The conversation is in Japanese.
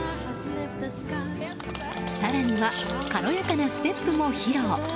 更には、軽やかなステップも披露。